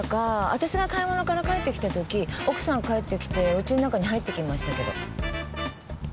私が買い物から帰ってきた時奥さん帰ってきて家の中に入っていきましたけど。